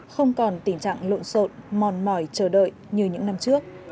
không còn tình trạng lộn xộn mòn mỏi chờ đợi như những năm trước